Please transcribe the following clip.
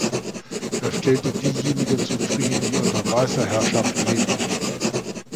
Es stellte diejenigen zufrieden, die unter weißer Herrschaft lebten.